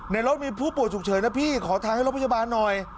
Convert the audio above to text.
ในรถมีผู้ป่วยฉุกเฉินนะพี่ขอทางให้รถพยาบาลหน่อย